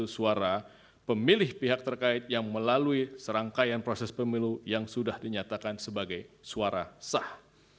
sembilan puluh enam dua ratus empat belas enam ratus sembilan puluh satu suara pemilih pihak terkait yang melalui serangkaian proses pemilu yang sudah dinyatakan sebagai suara sah